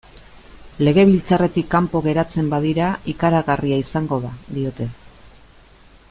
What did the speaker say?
Legebiltzarretik kanpo geratzen badira, ikaragarria izango da, diote.